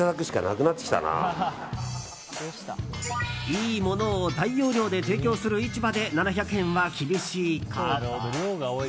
いいものを大容量で提供する市場で７００円は厳しいか。